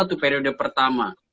itu periode pertama